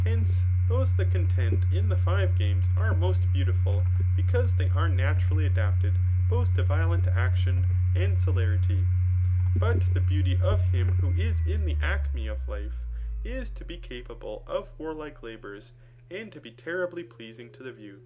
Hence, those that contehd in the five games are most beautiful, because they, are naturally adapted both to violent; action, a^d celerity. . But the beauty of hini ^iio is in the acme of life^ is to be capable of wadfte laboiitB, and to be terribly pleasing to the view. .